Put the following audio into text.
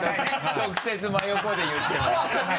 直接真横で言っても。